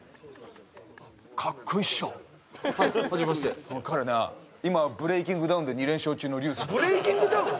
かっこいいっしょ？はじめまして彼な今ブレイキングダウンで２連勝中のリュウセイブレイキングダウン？